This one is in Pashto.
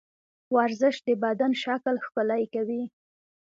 ورزش د بدن شکل ښکلی کوي.